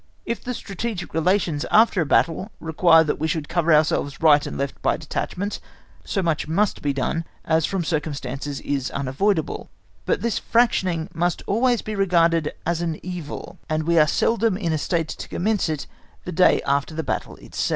If the strategic relations after a battle require that we should cover ourselves right and left by detachments, so much must be done, as from circumstances is unavoidable, but this fractioning must always be regarded as an evil, and we are seldom in a state to commence it the day after the battle itself.